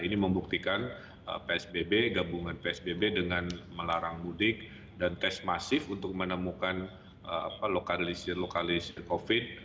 ini membuktikan psbb gabungan psbb dengan melarang mudik dan tes masif untuk menemukan lokalisir lokalisir covid